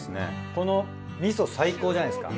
このみそ最高じゃないですか。